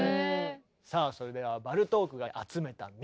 さあそれではバルトークが集めた民謡。